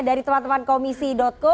dari teman teman komisi co